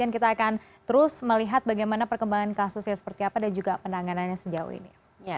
kita akan terus melihat bagaimana perkembangan kasusnya seperti apa dan juga penanganannya sejauh ini